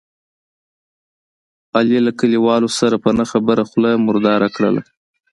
علي له کلیوالو سره په نه خبره خوله مرداره کړله.